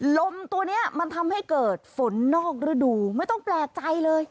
ลมตัวนี้มันทำให้เกิดฝนนอกฤดูไม่ต้องแปลกใจเลย